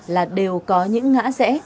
là đều có những ngã rẽ